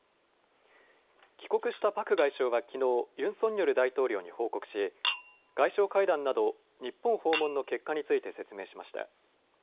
帰国したパク外相はきのうユン・ソンニョル大統領に報告し外相会談など日本訪問の結果について説明しました。